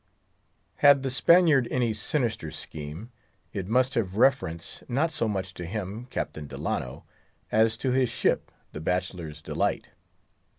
Had the Spaniard any sinister scheme, it must have reference not so much to him (Captain Delano) as to his ship (the Bachelor's Delight).